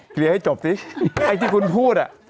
เคลียร์ให้จบสิไอ้ที่คุณพูดอ่ะ